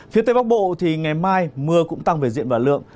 phía tây bắc bộ thì ngày mai mưa cũng tăng về diện và lượng